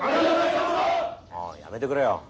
おいやめてくれよ。